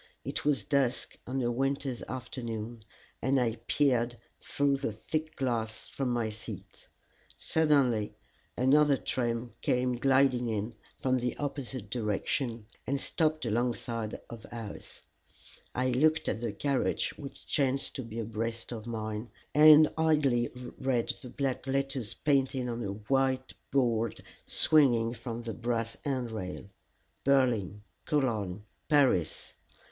It was dusk on a winter's afternoon, and I peered through the thick glass from my seat. Suddenly another train came gliding in from the opposite direction, and stopped alongside of ours. I looked at the carriage which chanced to be abreast of mine, and idly read the black letters painted on a white board swinging from the brass handrail: Berlin Cologne Paris.